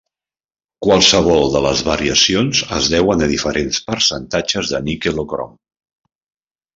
Qualsevol de les variacions es deuen a diferents percentatges de níquel o crom.